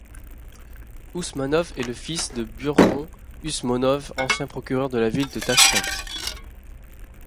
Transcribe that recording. Ousmanov est le fils de Burhon Usmonov, ancien procureur de la ville de Tachkent.